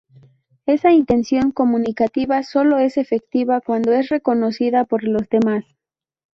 Esa intención comunicativa solo es efectiva cuando es reconocida por los demás.